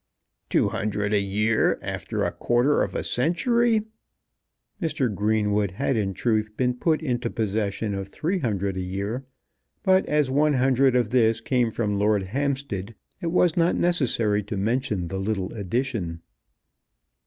"Two hundred a year after a quarter of a century!" Mr. Greenwood had in truth been put into possession of three hundred a year; but as one hundred of this came from Lord Hampstead it was not necessary to mention the little addition.